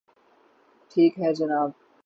ٹھیک ہے جناب